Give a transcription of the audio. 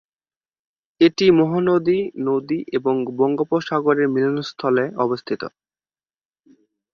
এটি মহানদী নদী এবং বঙ্গোপসাগরের মিলনস্থলে অবস্থিত।